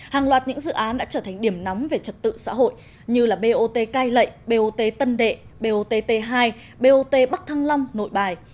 hàng loạt những dự án đã trở thành điểm nóng về trật tự xã hội như bot cai lệ bot tân đệ bot hai bot bắc thăng long nội bài